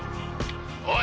「おい！